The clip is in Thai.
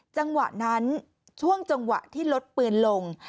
จังหวะนั้นช่วงจังหวะที่ลดปืนลง